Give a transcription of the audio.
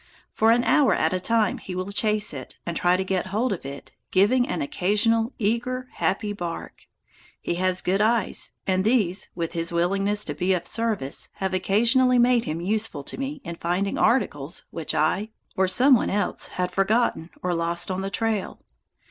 For an hour at a time he will chase it and try to get hold of it, giving an occasional eager, happy bark. He has good eyes, and these, with his willingness to be of service, have occasionally made him useful to me in finding articles which I, or some one else, had forgotten or lost on the trail.